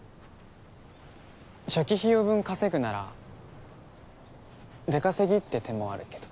初期費用分稼ぐなら出稼ぎって手もあるけど。